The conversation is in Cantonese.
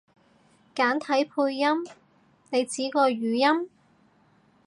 簡體配音？你指個語音？